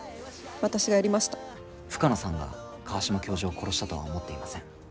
深野さんが川島教授を殺したとは思っていません。